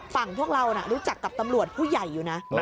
พวกเรารู้จักกับตำรวจผู้ใหญ่อยู่นะ